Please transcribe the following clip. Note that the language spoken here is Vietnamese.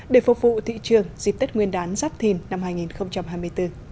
để phục vụ thị trường dịp tết nguyên đán giáp thìn năm hai nghìn hai mươi bốn